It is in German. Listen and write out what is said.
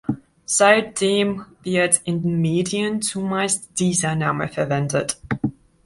Seitdem wird in den Medien zumeist dieser Name verwendet.